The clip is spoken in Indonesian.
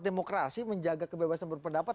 demokrasi menjaga kebebasan pendapat